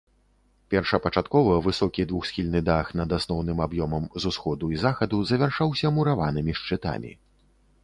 Першапачаткова высокі двухсхільны дах над асноўным аб'ёмам з усходу і захаду завяршаўся мураванымі шчытамі.